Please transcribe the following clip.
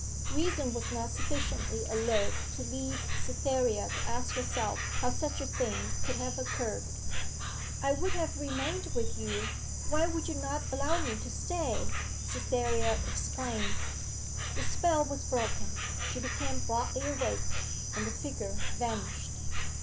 Reason was not sufficiently alert to lead Cytherea to ask herself how such a thing could have occurred. 'I would have remained with you why would you not allow me to stay!' Cytherea exclaimed. The spell was broken: she became broadly awake; and the figure vanished.